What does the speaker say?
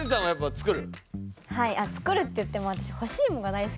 作るっていっても私。